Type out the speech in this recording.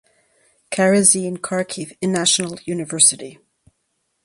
Karazin Kharkiv National University.